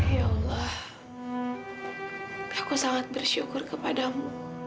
ya allah aku sangat bersyukur kepadamu